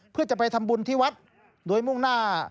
เพื่อจะไปทำบุญที่วัดโดยมุ่งหน้า